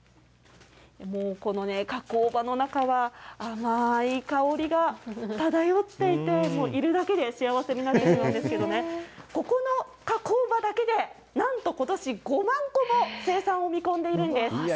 もうこのね、加工場の中は、甘ーい香りが漂っていて、もういるだけで幸せになってしまうんですけどね、ここの加工場だけで、なんと、ことし５万個も生産を見込んでいるんです。